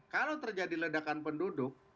kalau terjadi ledakan penduduk